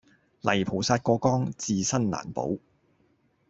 泥菩薩過江自身難保